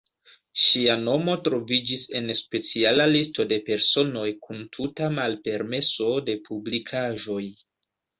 Ŝia nomo troviĝis en speciala listo de personoj kun tuta malpermeso de publikaĵoj.